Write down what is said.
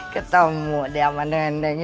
ketemu di amat neng neng ya